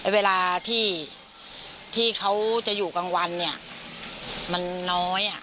เวลาที่เขาจะอยู่กลางวันเนี่ยมันน้อย